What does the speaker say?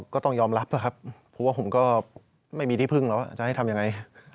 ก็ต้องยอมรับนะครับเพราะว่าผมก็ไม่มีที่พึ่งแล้วว่าจะให้ทำยังไง